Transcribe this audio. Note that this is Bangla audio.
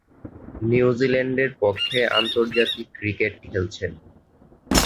নিউজিল্যান্ডের পক্ষে আন্তর্জাতিক ক্রিকেট খেলছেন।